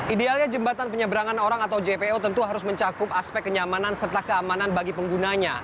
idealnya jembatan penyeberangan orang atau jpo tentu harus mencakup aspek kenyamanan serta keamanan bagi penggunanya